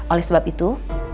oleh sebab itu